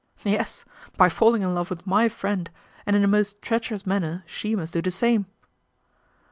" Yes ; by falling in love with my friend, and in a most treacherous manner she must do the same.'